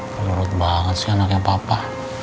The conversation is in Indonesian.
menurut banget sih anaknya papa